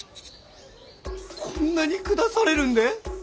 こんなにくだされるんで？